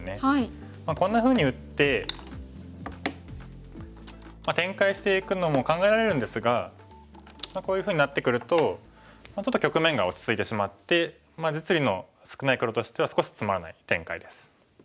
こんなふうに打って展開していくのも考えられるんですがこういうふうになってくるとちょっと局面が落ち着いてしまって実利の少ない黒としては少しつまらない展開です。